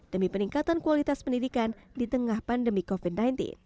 demi peningkatan kualitas pendidikan di tengah pandemi covid sembilan belas